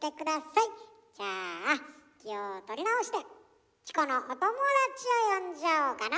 じゃあ気を取り直してチコのお友達を呼んじゃおうかな。